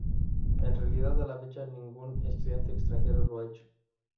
En realidad, a la fecha ningún estudiante extranjero lo ha hecho.